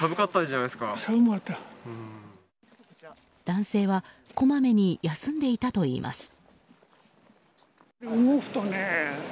男性はこまめに休んでいたといいます。